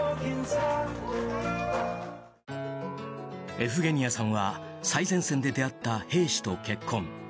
エフゲニアさんは最前線で出会った兵士と結婚。